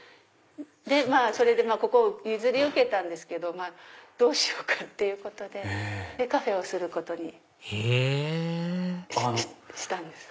それでここを譲り受けたけどどうしようかっていうことでカフェをすることにしたんです。